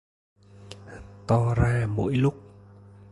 To ra mỗi lúc